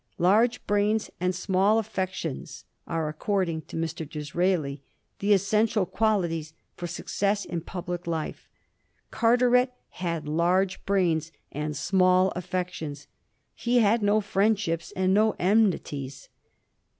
Large brains and small affections are, according to Mr. Disraeli, the essential qualities for success in public life. Carteret had large brains and small affections ; he had no friendships and no enmities.